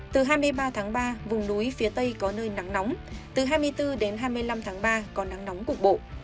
từ hai mươi ba tháng ba vùng núi phía tây có nơi nắng nóng từ hai mươi bốn đến hai mươi năm tháng ba có nắng nóng cục bộ